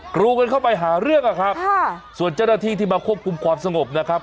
กรูกันเข้าไปหาเรื่องอะครับส่วนเจ้าหน้าที่ที่มาควบคุมความสงบนะครับ